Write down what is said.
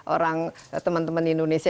orang teman teman indonesia